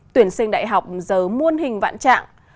tuyển sinh đại học giờ muôn hình vạn trạng